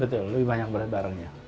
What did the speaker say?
betul lebih banyak barengnya